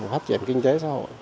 phát triển kinh tế xã hội